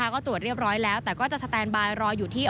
ก็ตรวจเรียบร้อยแล้วแต่ก็จะสแตนบายรออยู่ที่